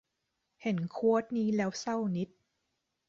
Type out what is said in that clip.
เห็นโควตนี้แล้วเศร้านิด